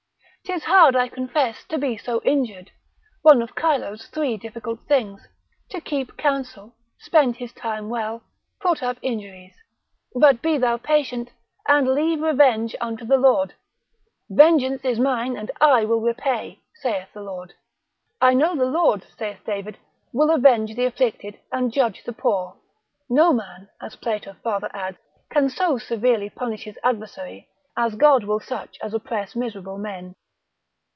'Tis hard I confess to be so injured: one of Chilo's three difficult things: To keep counsel; spend his time well; put up injuries: but be thou patient, and leave revenge unto the Lord. Vengeance is mine and I will repay, saith the Lord—I know the Lord, saith David, will avenge the afflicted and judge the poor.—No man (as Plato farther adds) can so severely punish his adversary, as God will such as oppress miserable men.